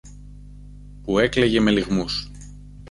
που έκλαιγε με λυγμούς.